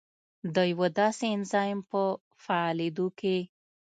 د یوه داسې انزایم په فعالېدو کې